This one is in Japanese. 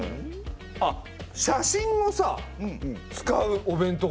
あっ写真をさ使うお弁当が出てきたよ。